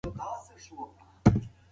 د هغه د آثارو مطالعه زموږ فکر روښانه کوي.